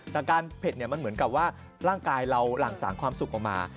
แต่การเผ็ดเนี่ยมันเหมือนกับว่าร่างกายเราหลั่งสางความสุขออกมา